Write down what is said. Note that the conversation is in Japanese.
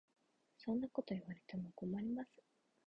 そんなこと言われても困ります。